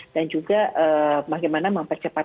dan juga bagaimana mempercepat